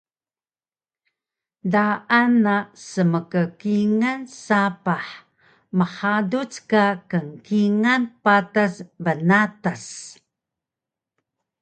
Daan na smkkingal sapah mhaduc ka kngkingal patas bnatas